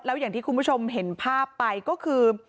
แล้วอย่างที่คุณผู้ชมเห็นภาพไปก็คือ